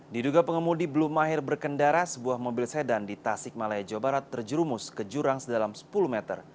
diduga pengemudi belum akhir berkendara sebuah mobil sedan di tasik malaya jawa barat terjerumus ke jurang sedalam sepuluh meter